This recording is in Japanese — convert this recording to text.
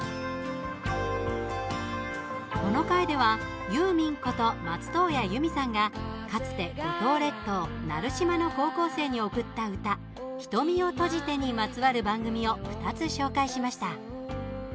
この回ではユーミンこと松任谷由実さんがかつて五島列島奈留島の高校生に贈った歌「瞳を閉じて」にまつわる番組を２つ紹介しました。